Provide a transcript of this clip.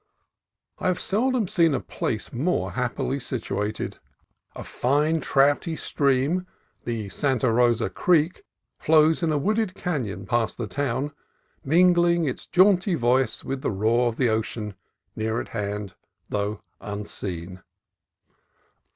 I have seldom seen a place more happily situated. A fine trouty stream, the Santa Rosa Creek, flows in a wooded canon past the town, mingling its jaunty voice with the roar of the ocean, near at hand, though unseen.